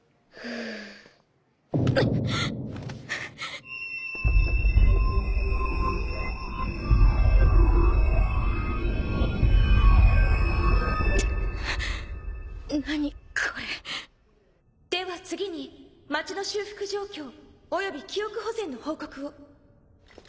法では次に町の修復状況および記憶保全の報告を。